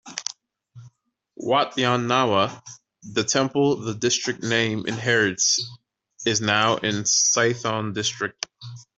Wat Yan Nawa, the temple the district name inherits, is now in Sathon District.